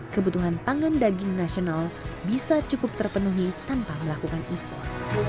kebutuhan pangan daging nasional bisa cukup terpenuhi tanpa melakukan impor